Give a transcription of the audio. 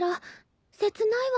切ないわね。